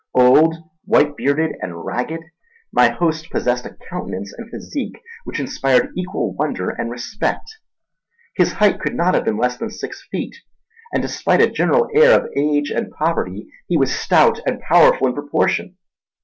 Old, white bearded, and ragged, my host possessed a countenance and physique which inspired equal wonder and respect. His height could not have been less than six feet, and despite a general air of age and poverty he was stout and powerful in proportion.